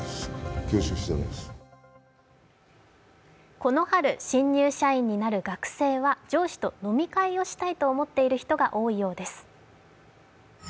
この春新入社員になる学生は上司と飲み会をしたいと思っている人が多いようです。